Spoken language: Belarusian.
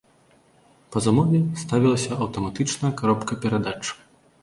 Па замове ставілася аўтаматычная каробка перадач.